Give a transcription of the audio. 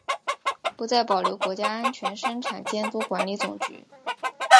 不再保留国家安全生产监督管理总局。